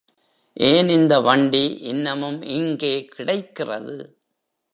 ஏன் இந்த வண்டி இன்னமும் இங்கே கிடைக்கிறது?